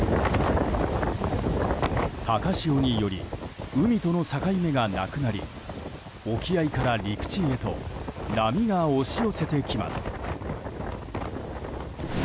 高潮により海との境目がなくなり沖合から陸地へと波が押し寄せてきます。